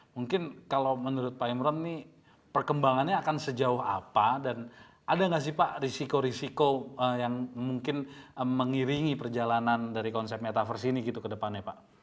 mungkin kalau menurut pak imran ini perkembangannya akan sejauh apa dan ada nggak sih pak risiko risiko yang mungkin mengiringi perjalanan dari konsep metaverse ini gitu ke depannya pak